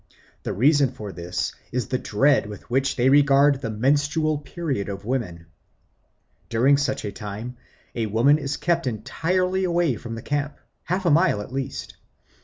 The reason for this is the dread with which they regard the menstrual period of women. During such a time, a woman is kept entirely away from the camp, half a mile at least.